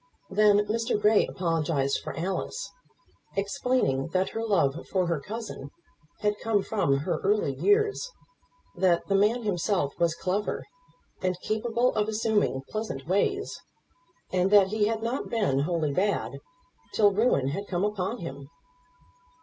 Then Mr. Grey apologized for Alice, explaining that her love for her cousin had come from her early years; that the man himself was clever and capable of assuming pleasant ways, and that he had not been wholly bad till ruin had come upon him.